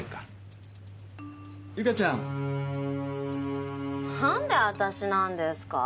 由佳ちゃん。何で私なんですか？